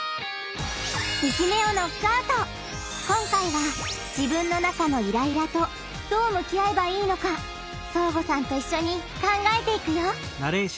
今回は「自分の中のイライラ」とどうむき合えばいいのかそーごさんといっしょに考えていくよ！